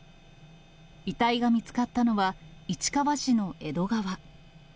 遺体が見つかったのは、市川市の江戸川。